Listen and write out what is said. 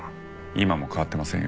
今も変わってませんよ。